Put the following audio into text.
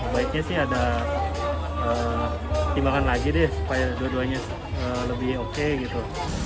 baiknya sih ada timbangan lagi deh supaya dua duanya lebih oke gitu